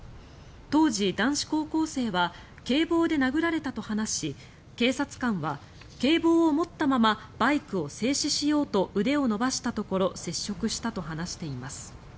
当時、男子高校生は警棒で殴られたと話し警察官は、警棒を持ったままバイクを制止しようと腕を伸ばしたところ接触したと話しています。